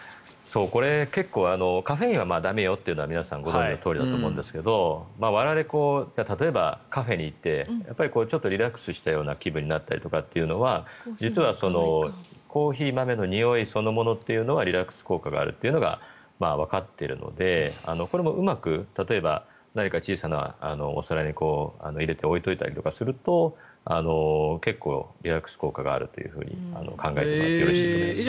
これ、結構カフェインは駄目よというのは皆さん、ご存じのとおりだと思うんですけど我々、カフェに行ってちょっとリラックスしたような気分になったりとかというのは実はコーヒー豆のにおいそのものというのはリラックス効果があるというのがわかっているのでこれもうまく例えば、何か小さなお皿に入れて、置いておいたりすると結構リラックス効果があると考えてもらってよろしいかと思います。